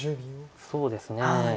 そうですね。